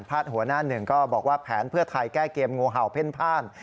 หัวหน้าหนึ่งก็บอกว่าแผนเพื่อไทยแก้เกมงูเห่าเพ่นพ่าน